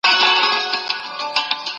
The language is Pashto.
افغانان د یزد په لور د غچ اخیستلو لپاره لاړل.